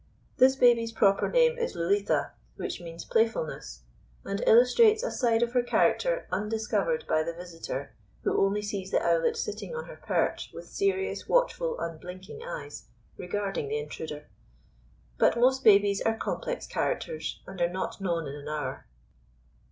This baby's proper name is Lullitha, which means Playfulness, and illustrates a side of her character undiscovered by the visitor who only sees the Owlet sitting on her perch with serious, watchful, unblinking eyes, regarding the intruder. But most babies are complex characters, and are not known in an hour.